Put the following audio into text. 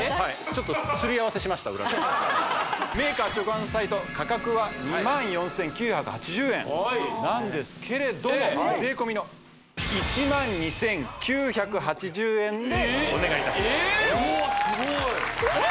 ちょっとすり合わせしました裏でメーカー直販サイト価格は２万４９８０円なんですけれども税込の１万２９８０円でお願いいたしますええ！